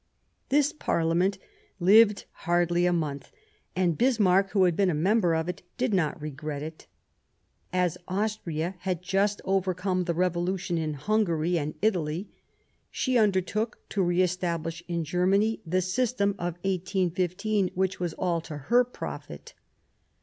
This Parliament lived hardly a month, and Bismarck, who had been a member of it, did not regret it. As Austria had just overcome the revolution in Hungary and Italy, she undertook to re establish in Germany the system of 1815, which was all to her profit.